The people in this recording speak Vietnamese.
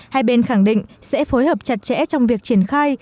hai bên khẳng định sẽ phối hợp chặt chẽ trong việc triển khai